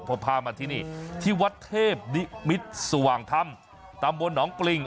พอพามาที่นี่ที่วัดเทพนิมิตรสว่างธรรมตำบลหนองปริง